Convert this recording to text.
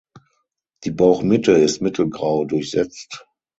Die Bauchmitte ist mittelgrau durchsetzt.